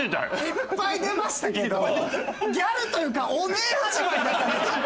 いっぱい出ましたけどギャルというかオネエ始まりだったんですけど。